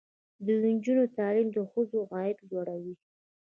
د نجونو تعلیم د ښځو عاید لوړوي.